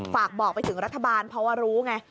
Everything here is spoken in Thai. ฝากบอกไปถึงรัฐบาลเพราะว่ารู้ไง